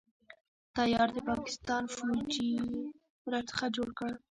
تيار د پاکستان فوجي يې را څخه جوړ کړ.